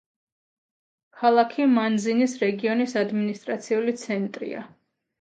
ქალაქი მანზინის რეგიონის ადმინისტრაციული ცენტრია.